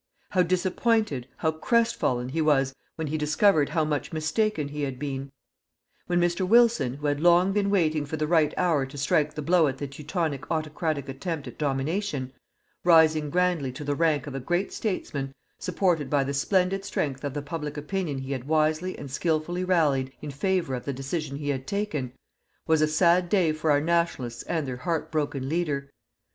How disappointed, how crest fallen, he was when he discovered how much mistaken he had been! When Mr. Wilson, who had long been waiting for the right hour to strike the blow at the Teutonic autocratic attempt at domination, rising grandly to the rank of a great statesman, supported by the splendid strength of the public opinion he had wisely and skilfully rallied in favour of the decision he had taken, was a sad day for our Nationalists and their heart broken leader.